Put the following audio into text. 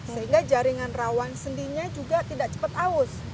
sehingga jaringan rawan sendinya juga tidak cepat aus